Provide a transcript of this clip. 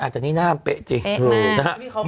อ่าแต่นี่หน้าจะเปะจริงนะค่ะ